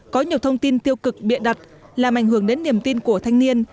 có nhiều thông tin tiêu cực bịa đặt làm ảnh hưởng đến niềm tin của thanh niên